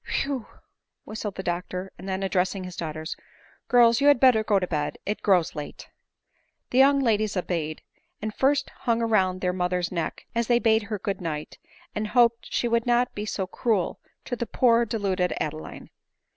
" Whew !" whistled the doctor ; and then addressing his daughters, " Girls you had better go to bed ; it grows late." The young ladies obeyed ; but first hung round their mother's neck, as they bade her good night, and hoped 'she would not be so cruel to the poor deluded Adeline.